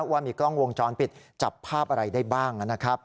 ว่ามีกล้องวงจรปิดจับภาพอะไรได้บ้างนะครับ